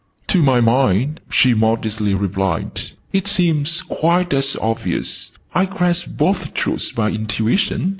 "To my mind," she modestly replied, "it seems quite as obvious. I grasp both truths by intuition.